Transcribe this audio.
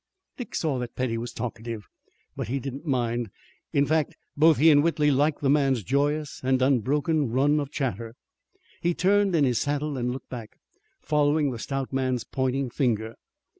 Dick saw that Petty was talkative, but he did not mind. In fact, both he and Whitley liked the man's joyous and unbroken run of chatter. He turned in his saddle and looked back, following the stout man's pointing finger.